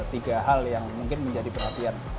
tiga hal yang mungkin menjadi perhatian